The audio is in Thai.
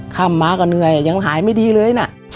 ค่ำมาก็เหนื่อยยังหายไม่ดีเลยนะ